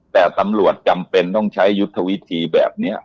แต่ตำรวจจำเป็นต้องใช้ยุทธวิธีแบบนี้